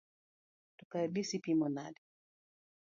To kare dis ipimo nade?